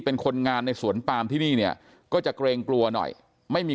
เป็นคนงานในสวนปามที่นี่เนี่ยก็จะเกรงกลัวหน่อยไม่มี